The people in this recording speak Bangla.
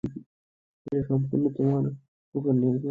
এটা সম্পূর্ণ তোমার উপর নির্ভর করে।